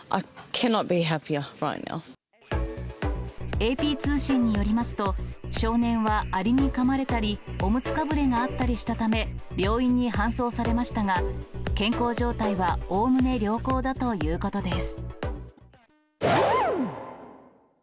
ＡＰ通信によりますと、少年はアリにかまれたり、おむつかぶれがあったりしたため、病院に搬送されましたが、健康状態はおおむね良好だということです。